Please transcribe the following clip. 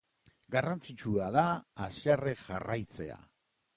Garrantzitsua da haserre jarraitzea.